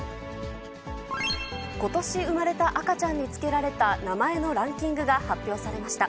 ことし生まれた赤ちゃんに付けられた名前のランキングが発表されました。